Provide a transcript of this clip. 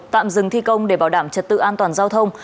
tạm dừng thi công để bảo đảm trật tự an toàn giao thông